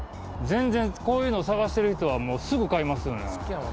全然、こういうの探している人は、もう、すぐ買いますよね。